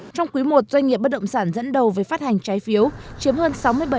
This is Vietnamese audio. trong quý i doanh nghiệp bất động sản dẫn đầu với phát hành trái phiếu chiếm hơn sáu mươi bảy